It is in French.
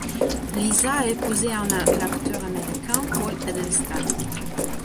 Liza a épousé en l'acteur américain Paul Adelstein.